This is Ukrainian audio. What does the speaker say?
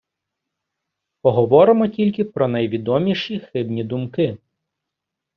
Поговоримо тільки про найвідоміші хибні думки.